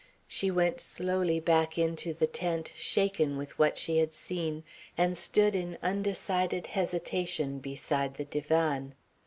She went slowly back into the tent, shaken with what she had seen, and stood in undecided hesitation beside the divan.